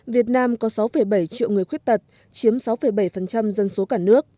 việt nam có sáu bảy triệu người khuyết tật chiếm sáu bảy dân số cả nước